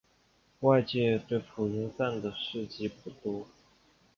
外界对于朴英赞的事迹不多。